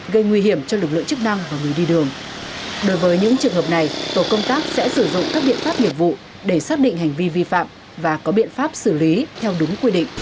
gây nguy hiểm cho lực lượng chức năng và người đi đường đối với những trường hợp này tổ công tác sẽ sử dụng các biện pháp nghiệp vụ để xác định hành vi vi phạm và có biện pháp xử lý theo đúng quy định